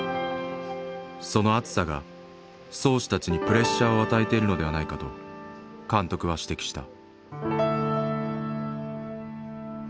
その熱さが漕手たちにプレッシャーを与えているのではないかと監督は指摘した。